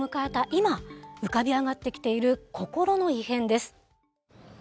今浮かび上がってきている心の異変です。